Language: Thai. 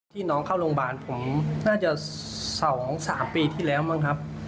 ที่น้องเข้าโรงพยาบาลผมน่าจะ๒๓ปีที่แล้วมั้งครับ